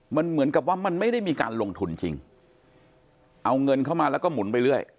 มันเหมือนกับว่ามันไม่ได้มีการลงทุนจริงเอาเงินเข้ามาแล้วก็หมุนไปเรื่อย